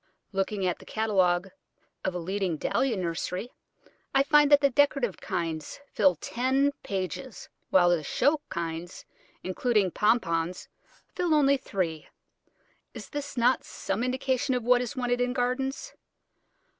Looking at the catalogue of a leading Dahlia nursery, I find that the decorative kinds fill ten pages, while the show kinds, including Pompones, fill only three. Is not this some indication of what is wanted in gardens?